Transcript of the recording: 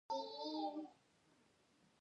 تندور ډوډۍ ولې خوندوره ده؟